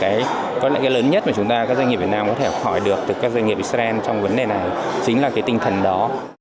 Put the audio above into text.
cái có lẽ cái lớn nhất mà chúng ta các doanh nghiệp việt nam có thể hỏi được từ các doanh nghiệp israel trong vấn đề này chính là cái tinh thần đó